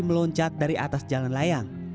meloncat dari atas jalan layang